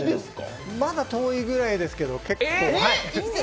まだ遠いぐらいですけど、結構。